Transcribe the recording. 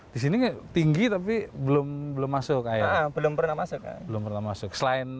di sini ya pak